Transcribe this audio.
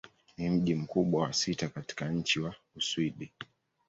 Ni mji mkubwa wa sita katika nchi wa Uswidi.